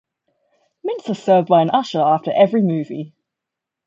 Mints are served by an usher after every movie.